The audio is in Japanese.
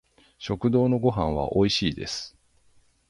食堂のご飯は美味しいです